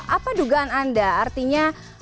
apa dugaan anda artinya